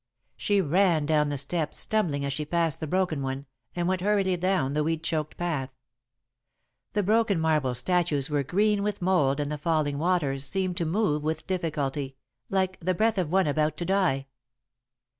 She ran down the steps, stumbling as she passed the broken one, and went hurriedly down the weed choked path. The broken marble statues were green with mould and the falling waters seemed to move with difficulty, like the breath of one about to die.